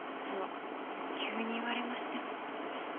その急に言われましても。